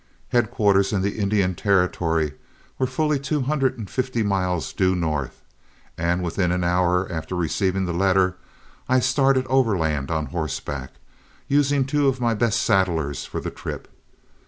Headquarters in the Indian Territory were fully two hundred and fifty miles due north, and within an hour after receiving the letter, I started overland on horseback, using two of my best saddlers for the trip.